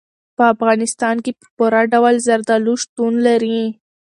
په افغانستان کې په پوره ډول زردالو شتون لري.